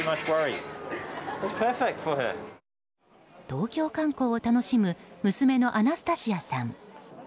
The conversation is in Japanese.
東京観光を楽しむ娘のアナスタシアさん。